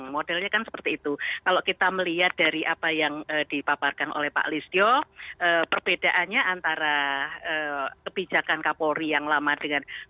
modelnya kan seperti itu kalau kita melihat dari apa yang dipaparkan oleh pak listio perbedaannya antara kebijakan kapolri yang lama dengan